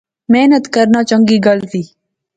محنت کرنا چنگی گل زی